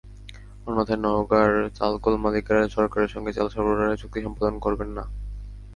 অন্যথায় নওগাঁর চালকল মালিকেরা সরকারের সঙ্গে চাল সরবরাহের চুক্তি সম্পাদন করবেন না।